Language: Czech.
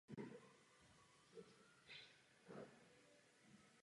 Narodila se jako dcera předního českého šlechtice Viléma z Landštejna.